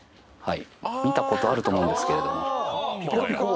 見たことあると思うんですけれども。